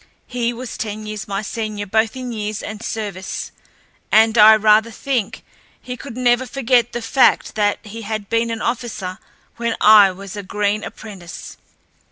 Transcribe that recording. He was ten years my senior both in years and service, and I rather think he could never forget the fact that he had been an officer when I was a green apprentice.